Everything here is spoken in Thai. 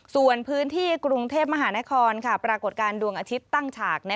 ส่วนพื้นที่กรุงเทพมหานครปรากฏการณ์ดวงอาทิตย์ตั้งฉาก